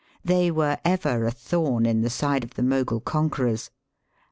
They were ever a thorn in the side of the Mogul conquerors.